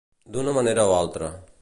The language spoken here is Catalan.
D'una manera o altra.